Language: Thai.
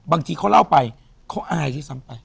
บางทีเขาเล่าไปเขาอายด้วยซ้ำไป